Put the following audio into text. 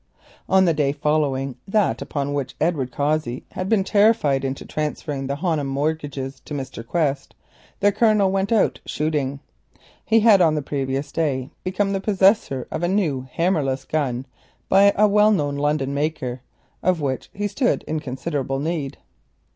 On the day following that upon which Edward Cossey had been terrified into transferring the Honham mortgages to Mr. Quest the Colonel went out shooting. He had lately become the possessor of a new hammerless gun by a well known London maker, of which he stood in considerable need.